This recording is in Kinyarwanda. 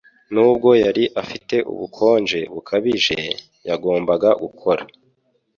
Nubwo yari afite ubukonje bukabije, yagombaga gukora.